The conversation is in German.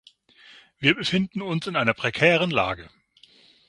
Wir befinden uns in einer prekären Lage.